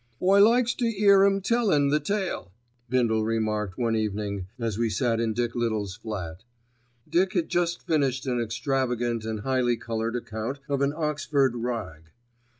"I likes to 'ear 'im tellin' the tale," Bindle remarked one evening, as we sat in Dick Little's flat. Dick had just finished an extravagant and highly coloured account of an Oxford "rag."